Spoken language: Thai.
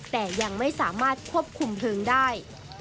แต่ยังไม่สามารถควบคุมเพลิงได้